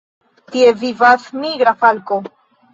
Tie vivas migra falko.